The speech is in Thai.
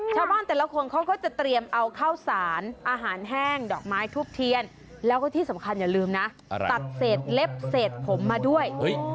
ชาวบ้านแต่ละคนเขาก็จะเตรียมเอาข้าวสารอาหารแห้งดอกไม้ทูบเทียนแล้วก็ที่สำคัญอย่าลืมนะตัดเศษเล็บเศษผมมาด้วย